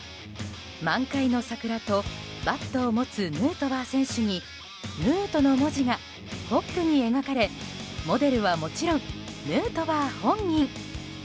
満開の桜とバットを持つヌートバー選手に「ＮＯＯＯＯＯＴ」の文字がポップに描かれモデルはもちろんヌートバー本人。